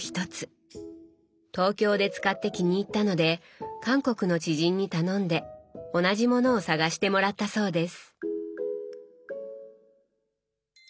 東京で使って気に入ったので韓国の知人に頼んで同じものを探してもらったそうです。